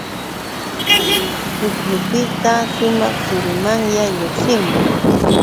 Pukyupiqta sumaq turumanya lluqsimun.